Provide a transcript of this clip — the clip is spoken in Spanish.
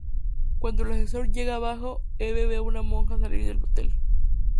Cuando el ascensor llega abajo, Eve ve a una monja salir del hotel.